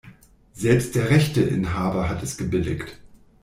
Selbst der Rechteinhaber hat es gebilligt.